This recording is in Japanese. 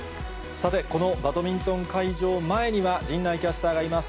さてこのバドミントン会場前には、陣内キャスターがいます。